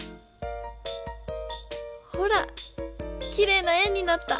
ほらきれいな円になった！